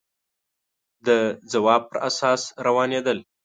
د ځواب پر اساس روانېدل